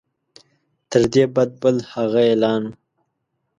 تر دې بد بل هغه اعلان وو.